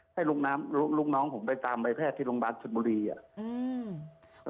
ให้ลุงน้องผมไปตามไปแพทย์ที่โรงพยาบาลชุนบุรีอะ